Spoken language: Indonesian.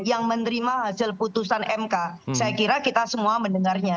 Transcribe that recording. yang menerima hasil putusan mk saya kira kita semua mendengarnya